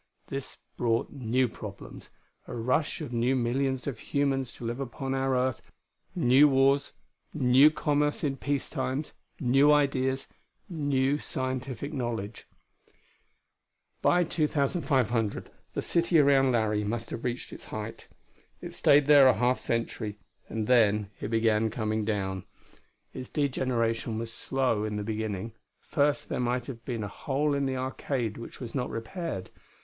This brought new problems: a rush of new millions of humans to live upon our Earth; new wars; new commerce in peace times; new ideas; new scientific knowledge.... By 2500, the city around Larry must have reached its height. It stayed there a half century; and then it began coming down. Its degeneration was slow, in the beginning. First, there might have been a hole in the arcade which was not repaired.